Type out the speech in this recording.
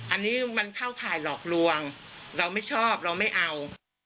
อันนี้มันเข้าข่ายหลอกลวงเราไม่ชอบเราไม่เอา